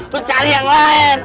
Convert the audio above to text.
lu cari yang lain